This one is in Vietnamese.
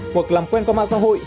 hoặc làm quen có mạng xã hội